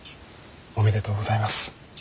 おめでとうございます。